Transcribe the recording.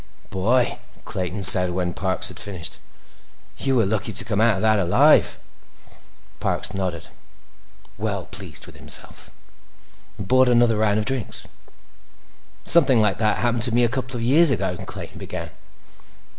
"Boy," Clayton said when Parks had finished, "you were lucky to come out of that alive!" Parks nodded, well pleased with himself, and bought another round of drinks. "Something like that happened to me a couple of years ago," Clayton began.